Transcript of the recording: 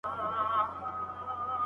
د مغز سکن خولۍ لیرې کېږي.